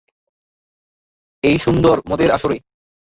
এই সুন্দর মদের আসরে।